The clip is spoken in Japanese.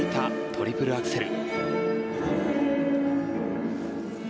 トリプルアクセル。